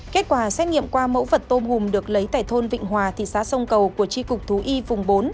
kết quả xét nghiệm qua mẫu vật tôm hùm được lấy tại thôn vịnh hòa thị xã sông cầu của tri cục thú y vùng bốn